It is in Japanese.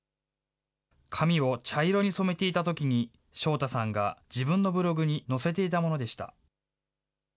髪を茶色に染めていたときに、将太さんが自分のブログに載せていたものでした。